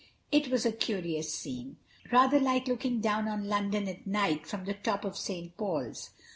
It was a curious scene—rather like looking down on London at night from the top of St. Paul's.